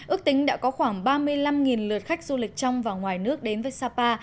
ước tính đã có khoảng ba mươi năm lượt khách du lịch trong và ngoài nước đến với sapa